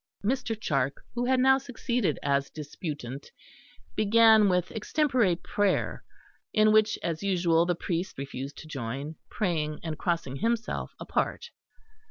Mr. Charke, who had now succeeded as disputant, began with extempore prayer, in which as usual the priest refused to join, praying and crossing himself apart.